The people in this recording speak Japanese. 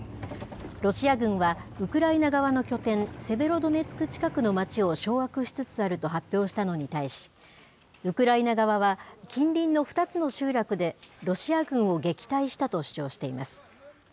ロシア軍は、ウクライナ側の拠点、セベロドネツク近くの町を掌握しつつあると発表したのに対し、ウクライナ側は、近隣の２つの集落で、ロシア軍を撃退したと主張しています。